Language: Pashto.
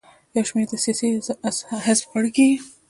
یو شمېر د سیاسي حزب غړي کیږي.